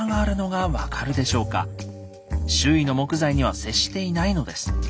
周囲の木材には接していないのです。